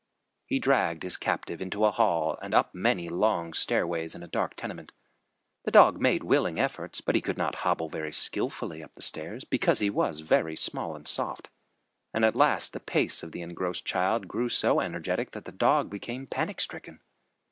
He dragged his captive into a hall and up many long stairways in a dark tenement. The dog made willing efforts, but he could not hobble very skilfully up the stairs because he was very small and soft, and at last the pace of the engrossed child grew so energetic that the dog became panic stricken.